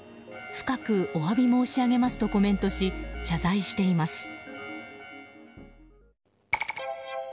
深くお詫び申し上げますとコメントし謝罪しています。